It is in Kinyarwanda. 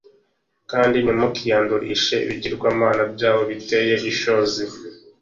kandi ntimukiyandurishe ibigirwamana byabo biteye ishozi